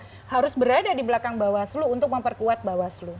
jadi kita harus berada di belakang bawaslu untuk memperkuat bawaslu